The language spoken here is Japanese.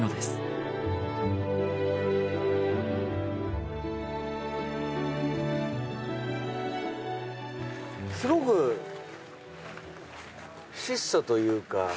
すごく質素というか。